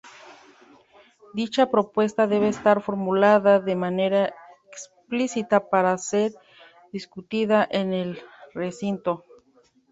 Dicha propuesta debe estar formulada de manera explícita para ser discutida en el recinto.